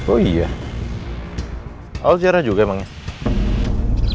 oh iya al siarah juga emangnya